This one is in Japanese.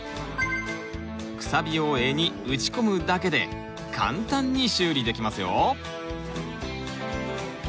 くさびを柄に打ち込むだけで簡単に修理できますよ。